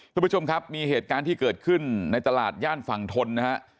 คุณผู้ชมครับมีเหตุการณ์ที่เกิดขึ้นในตลาดย่านฝั่งทนนะฮะ